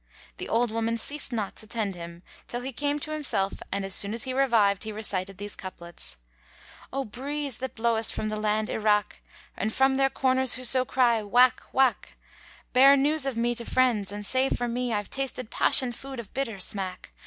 The old woman ceased not to tend him, till he came to himself and as soon as he revived he recited these couplets, "O breeze that blowest from the land Irak * And from their corners whoso cry 'Wak! Wak!' Bear news of me to friends and say for me * I've tasted passion food of bitter smack.